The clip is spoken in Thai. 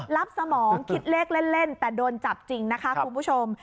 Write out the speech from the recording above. สมองคิดเลขเล่นแต่โดนจับจริงนะคะคุณผู้ชม